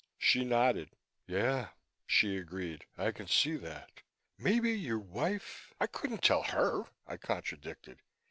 She nodded. "Yeah," she agreed. "I can see that.... Maybe your wife " "I couldn't tell her," I contradicted.